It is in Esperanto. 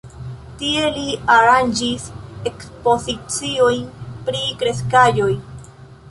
Tie li aranĝis ekspoziciojn pri kreskaĵoj.